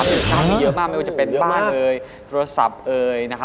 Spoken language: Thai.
มีที่มีเยอะมากไม่ว่าจะเป็นบ้านอะไรเดี๋ยวกับโทรศัพท์